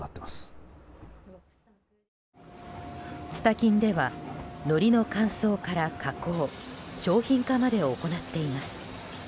金ではのりの乾燥から加工商品化まで行っています。